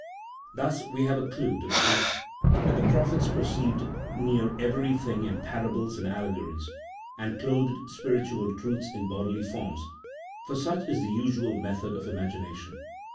Thus we have a clue to the fact that the prophets per ceived nearly everything in parables and allegories, and clothed spiritual truths in bodily forms, for such is the usual method of imagination.